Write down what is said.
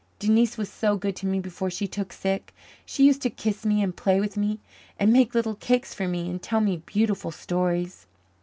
Denise was so good to me before she took sick. She used to kiss me and play with me and make little cakes for me and tell me beautiful stories."